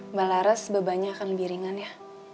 mbak laras bebannya akan lebih ringan ya